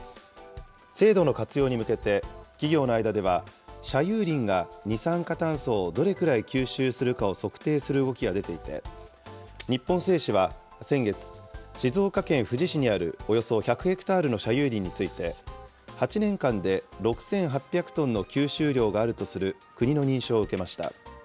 制度の活用に向けて、企業の間では、社有林が二酸化炭素をどれくらい吸収するかを測定する動きが出ていて、日本製紙は先月、静岡県富士市にあるおよそ１００ヘクタールの社有林について、８年間で６８００トンの吸収量があるとする国の認証を受けました。